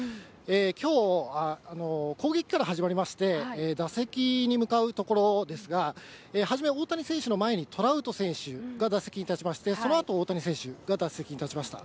きょう、攻撃から始まりまして、打席に向かうところですが、初め大谷選手の前にトラウト選手が打席に立ちまして、そのあと、大谷選手が打席に立ちました。